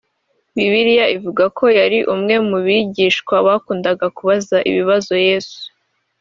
Bibiliya ivuga ko yari umwe mu bigishwa bakundaga kubaza ibibazo Yesu